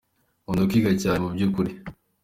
Nkunda kwiga cyane mubyukuri